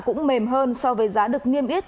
cũng mềm hơn so với giá được nghiêm yết